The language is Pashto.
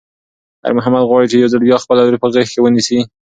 خیر محمد غواړي چې یو ځل بیا خپله لور په غېږ کې ونیسي.